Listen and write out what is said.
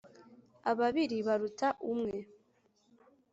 Ababiri baruta umwe.